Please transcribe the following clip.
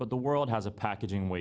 untuk perusahaan plastik di dunia